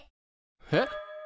えっ！？